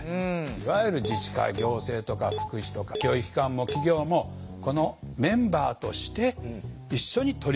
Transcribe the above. いわゆる自治会行政とか福祉とか教育機関も企業もこのメンバーとして一緒に取り組もうと。